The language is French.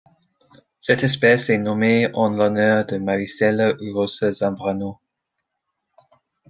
Cette espèce est nommée en l'honneur de Marisela Urosa Zambrano.